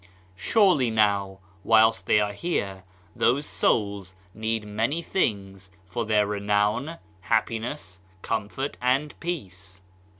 Surely, now, whilst they are here, those souls need many things for their renown, happiness, comfort and peace.